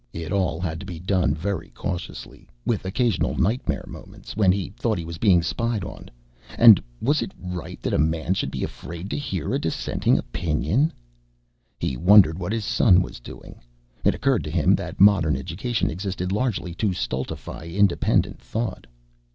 It all had to be done very cautiously, with occasional nightmare moments when he thought he was being spied on; and was it right that a man should be afraid to hear a dissenting opinion? He wondered what his son was doing. It occurred to him that modern education existed largely to stultify independent thought.